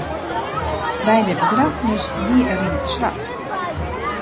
By de begraffenis wie er yn it swart.